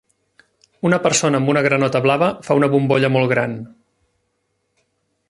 Una persona amb una granota blava fa una bombolla molt gran.